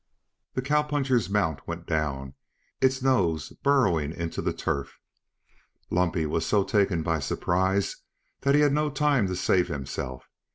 The cowpuncher's mount went down, its nose burrowing into the turf. Lumpy was so taken by surprise that he had no time to save himself.